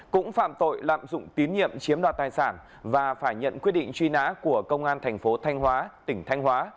cũng phạm tội lạm dụng tín nhiệm chiếm đoạt tài sản và phải nhận quyết định truy nã của công an thành phố thanh hóa tỉnh thanh hóa